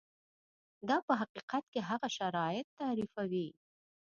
دا په حقیقت کې هغه شرایط تعریفوي.